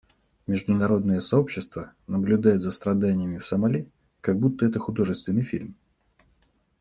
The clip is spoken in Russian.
Международное сообщество наблюдает за страданиями в Сомали, как будто это художественный фильм.